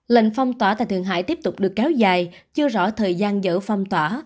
lệnh phong tỏa tại thượng hải tiếp tục được kéo dài chưa rõ thời gian dở phong tỏa